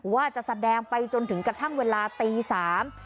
ว่าจะแสดงไปจนถึงกระทั่งเวลาตีสาม